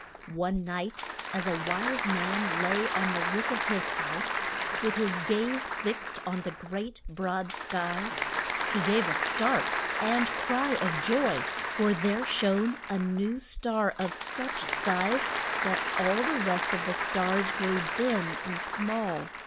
] One night as a wise man lay on the roof of his house, with his gaze fixed on the great broad sky, he gave a start and cry of joy, for there shone a new star of such size that all the rest of the stars grew dim and small.